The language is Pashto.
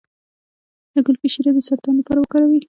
د ګلپي شیره د سرطان لپاره وکاروئ